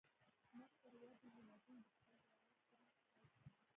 مخ پر ودې هیوادونه د خپل ضعیف دریځ شکایت کوي